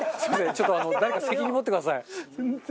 ちょっと誰か責任持ってください。